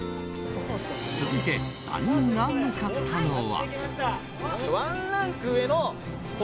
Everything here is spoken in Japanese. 続いて３人が向かったのは。